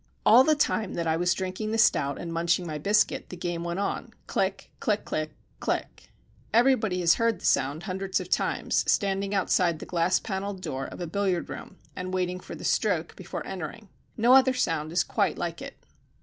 All the time that I was drinking the stout and munching my biscuit the game went on click, click click, click. Everybody has heard the sound hundreds of times standing outside the glass pannelled door of a billiard room and waiting for the stroke before entering. No other sound is quite like it.